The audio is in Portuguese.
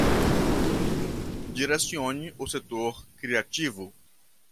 Direcione o setor criativo